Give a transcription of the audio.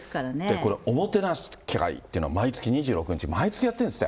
これ、おもてなし会っていうの毎月２６日、毎月やってるんですって。